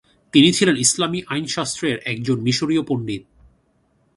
তিনি ছিলেন ইসলামী আইনশাস্ত্রের একজন মিশরীয় পণ্ডিত।